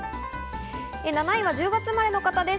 ７位は１０月生まれの方です。